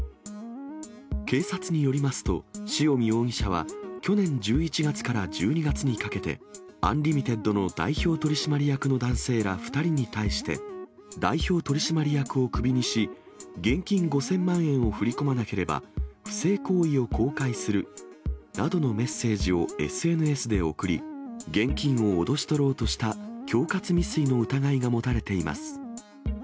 警察によりますと、塩見容疑者は去年１１月から１２月にかけて、アンリミテッドの代表取締役の男性ら２人に対して、代表取締役をクビにし、現金５０００万円を振り込まなければ、不正行為を公開するなどのメッセージをＳＮＳで送り、現金を脅し取ろうとした恐喝未遂の疑いが持たれています。